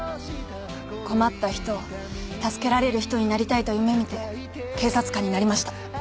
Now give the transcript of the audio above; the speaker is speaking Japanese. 困った人を助けられる人になりたいと夢見て警察官になりました。